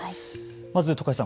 まず徳橋さん